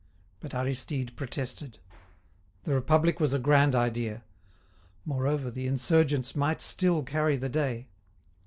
But Aristide protested. The Republic was a grand idea. Moreover, the insurgents might still carry the day.